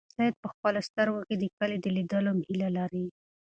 سعید په خپلو سترګو کې د کلي د لیدلو هیله لري.